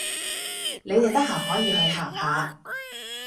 你哋得閒可以去行下